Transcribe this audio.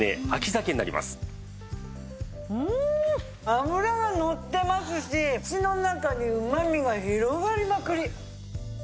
脂が乗ってますし口の中にうまみが広がりまくり。